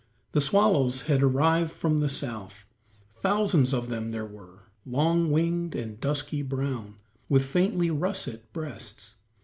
The swallows had arrived from the South; thousands of them there were, long winged and dusky brown, with faintly russet breasts.